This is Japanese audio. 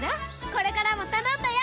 これからも頼んだよ！